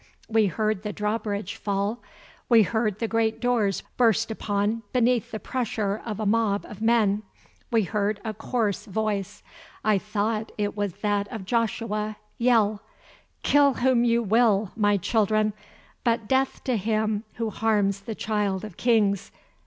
We heard the drawbridge fall; we heard the great doors burst open beneath the pressure of a mob of men; we heard a coarse voice—I thought it was that of Joshua—yell: "Kill whom you will, my children, but death to him who harms the Child of Kings.